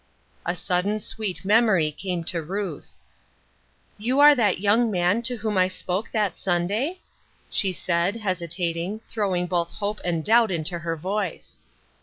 A sudden, sweet memory came to Ruth. " You are that young man to whom I spoke that Sunday ?" she said, hesitating, throwing both hope and doubt into her voice.